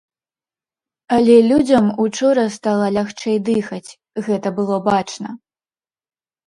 Але людзям учора стала лягчэй дыхаць, гэта было бачна.